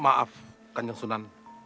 maaf kanjeng sunan